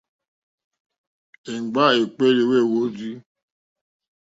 Èmgbâ èkpéélì wêhwórzí.